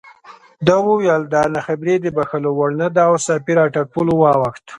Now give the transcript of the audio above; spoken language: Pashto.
ده وویل دا ناخبري د بښلو وړ نه ده او سفیر اټک پُل واوښت.